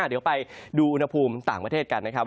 เดี๋ยวไปดูอุณหภูมิต่างประเทศกันนะครับ